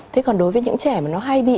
thế còn đối với những trẻ mà nó hay bị